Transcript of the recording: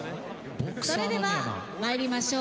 それでは参りましょう。